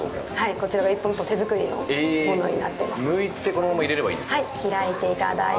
こちらは１本１本、手作りのものになってます。